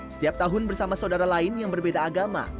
setiap tahun bersama saudara lain yang berbeda agama